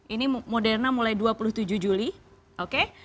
ini moderna mulai dua puluh tujuh juli oke